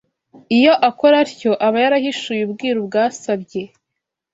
Iyo akora atyo aba yarahishuye ubwiru bwasabye